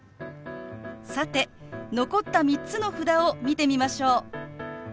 さて残った３つの札を見てみましょう。